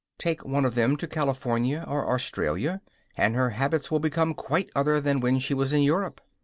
Take one of them to California or Australia, and her habits will become quite other than when she was in Europe.